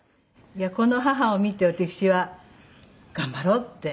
この母を見て私は頑張ろうって。